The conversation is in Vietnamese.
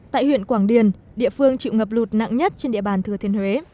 tại huyện quảng điền địa phương chịu ngập lụt nặng nhất trên địa bàn thừa thiên huế